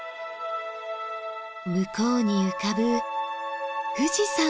向こうに浮かぶ富士山！